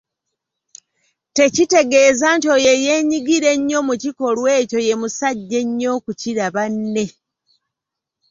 Tekitegeeza nti oyo eyeenyigira ennyo mu kikolwa ekyo ye musajja ennyo okukira banne.